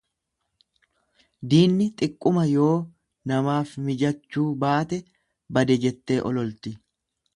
Diinni xiqquma yoo namaaf mijachuu baate bade jettee ololti.